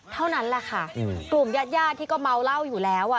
เท่านั้นแหละค่ะกลุ่มญาติญาติที่ก็เมาเหล้าอยู่แล้วอ่ะ